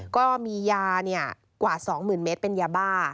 ก็มียาเนี่ยกว่าสองหมื่นเมตรเป็นยาบ้า